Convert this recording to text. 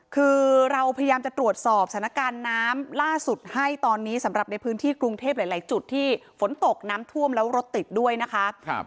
คือเราพยายามจะตรวจสอบสถานการณ์น้ำล่าสุดให้ตอนนี้สำหรับในพื้นที่กรุงเทพหลายจุดที่ฝนตกน้ำท่วมแล้วรถติดด้วยนะคะ